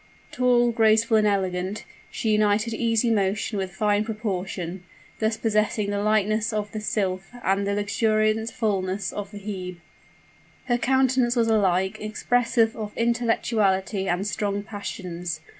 Tall, graceful, and elegant, she united easy motion with fine proportion; thus possessing the lightness of the Sylph and the luxuriant fullness of the Hebe. Her countenance was alike expressive of intellectuality and strong passions.